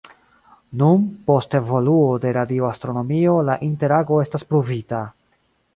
Nun, post evoluo de radio-astronomio la interago estas pruvita.